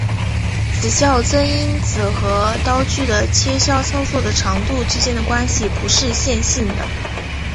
此校正因子和刀具的切削操作的长度之间的关系不是线性的。